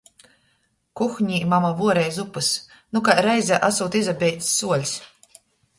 Kuknē mama vuorej zupys, nu kai reize asūt izabeidzs suoļs.